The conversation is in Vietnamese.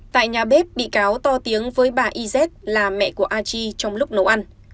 tại nhà bếp bị cáo to tiếng với bà iz là mẹ của a chi trong lúc nấu ăn